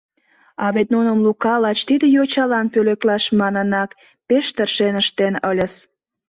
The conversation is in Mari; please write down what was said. А вет нуным Лука лач тиде йочалан пӧлеклаш манынак пеш тыршен ыштен ыльыс.